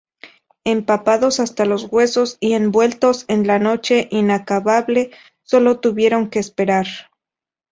Empapados hasta los huesos y envueltos en la noche inacabable, solo tuvieron que esperar.